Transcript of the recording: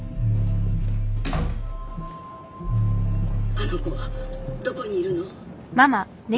あの子はどこにいるの？